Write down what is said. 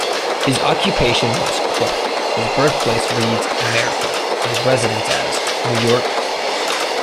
His occupation was 'clerk', his birthplace reads 'America', and his residence as 'New York'.